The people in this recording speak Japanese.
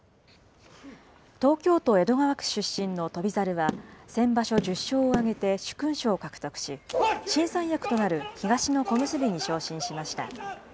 東京都江戸川区出身の翔猿は、先場所１０勝を挙げて、殊勲賞を獲得し、新三役となる東の小結に昇進しました。